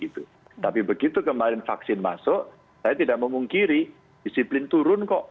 tapi begitu kemarin vaksin masuk saya tidak memungkiri disiplin turun kok